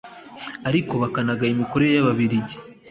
ariko bakanagaya imikorere y'ababiligi